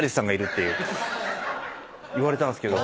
言われたんですけど。